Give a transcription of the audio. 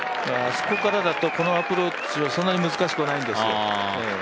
あそこからだと、このアプローチはそんなに難しくないんですよ。